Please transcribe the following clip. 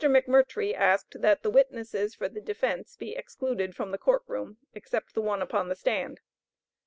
McMurtrie asked that the witnesses for the defence be excluded from the court room, except the one upon the stand.